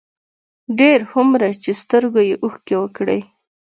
ډېر هومره چې سترګو يې اوښکې وکړې،